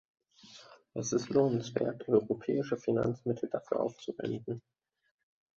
Es ist lohnenswert, europäische Finanzmittel dafür aufzuwenden.